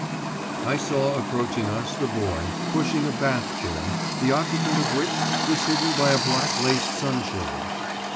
I saw approaching us the Boy, pushing a bath chair, the occupant of which was hidden by a black lace sunshade.